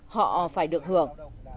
họ phải được hưởng